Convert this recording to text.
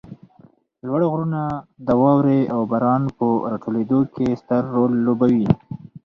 لوړ غرونه د واروې او باران په راټولېدو کې ستر رول لوبوي